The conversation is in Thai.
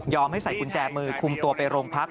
ให้ใส่กุญแจมือคุมตัวไปโรงพัก